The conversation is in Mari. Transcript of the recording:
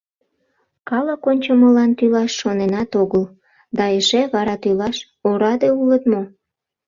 Калык ончымылан тӱлаш шоненат огыл, да эше вара тӱлаш — ораде улыт мо?